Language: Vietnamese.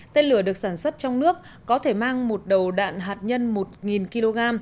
tên lửa được sản xuất trong nước có thể mang một đầu đạn hạt nhân một kg